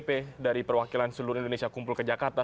pp dari perwakilan seluruh indonesia kumpul ke jakarta